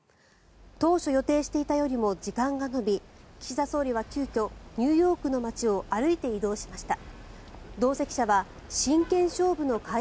当初、予定していたよりも時間が延び岸田総理は急きょニューヨークの街を歩いて移動しました。